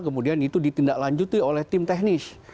kemudian itu ditindaklanjuti oleh tim teknis